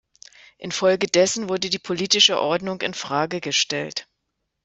Infolgedessen wurde die politische Ordnung in Frage gestellt.